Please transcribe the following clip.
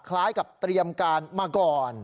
คล้ายกับเตรียมการมาก่อน